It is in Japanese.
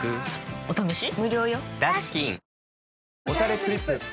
おしゃれクリップ。